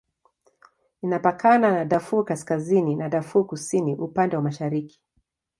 Inapakana na Darfur Kaskazini na Darfur Kusini upande wa mashariki.